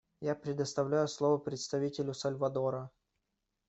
Я предоставляю слово представителю Сальвадора.